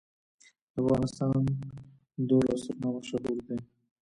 د افغانستان دهل او سرنا مشهور دي